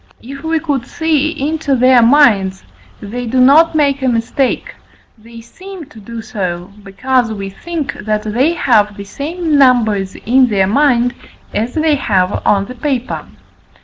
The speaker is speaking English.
If we could see into their minds, they do not make a mistake; they seem to do so, because we think, that they have the same numbers in their mind as they have on the paper.